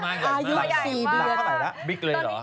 อายุ๔เดือน